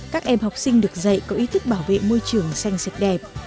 các em học sinh được dạy có ý thức bảo vệ môi trường xanh sạch đẹp